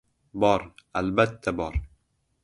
Bor, albatta, bor